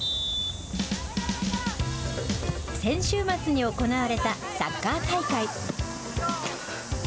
先週末に行われたサッカー大会。